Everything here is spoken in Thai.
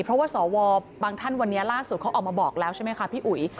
เพราะว่าสวบางท่านวันนี้ล่าสุดเขาออกมาบอกแล้วใช่ไหมคะพี่อุ๋ย